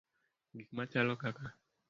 Gik machalo kaka